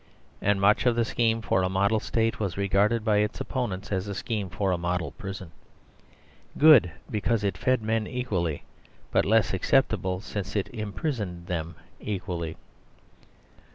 And much of the scheme for a model State was regarded by its opponents as a scheme for a model prison; good because it fed men equally, but less acceptable since it imprisoned them equally.